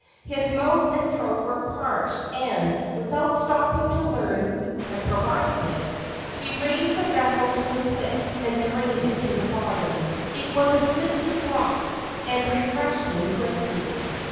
His mouth and throat were parched, and, without stopping to learn who had provided it, he raised the vessel to his lips and drained it to the bottom. It was a goodly draught, and refreshed him greatly.